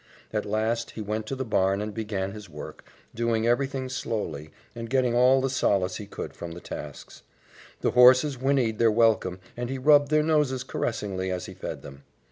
At last he went to the barn and began his work, doing everything slowly, and getting all the solace he could from the tasks. The horses whinnied their welcome and he rubbed their noses caressingly as he fed them.